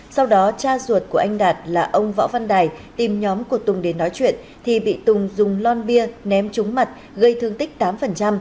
sau đó cha ruột của anh đạt là ông võ văn đài tìm nhóm của tùng đến nói chuyện thì bị tùng dùng lon bia ném trúng mặt gây thương tích tám